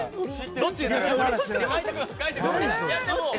どっちだ。